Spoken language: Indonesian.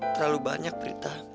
terlalu banyak prita